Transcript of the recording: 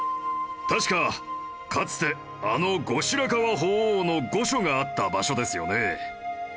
確かかつてあの後白河法皇の御所があった場所ですよね。